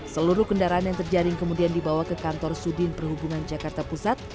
seluruh kendaraan yang terjaring kemudian dibawa ke kantor sudin perhubungan jakarta pusat